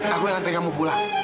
gini dem aku yang anterin kamu pulang